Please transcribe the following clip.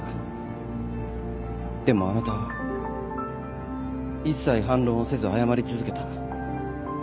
でもあなたは一切反論をせず謝り続けた